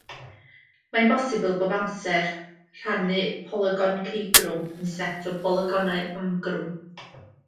Mae'n bosibl bob amser rhannu polygon ceugrwm yn set o bolygonau amgrwm.